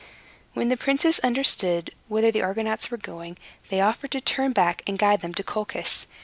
When the princes understood whither the Argonauts were going, they offered to turn back, and guide them to Colchis.